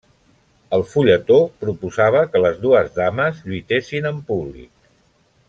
El fulletó proposava que les dues dames lluitessin en públic.